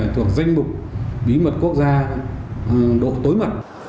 thuộc danh mục bí mật quốc gia độ tối mật